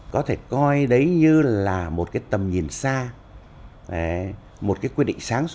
có thể coi đấy như là một cái tầm nhìn xa một cái quyết định sáng suốt